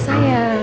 sampai jumpa lagi